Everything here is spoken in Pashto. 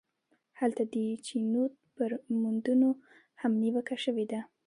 هلته د چینوت پر موندنو هم نیوکه شوې ده.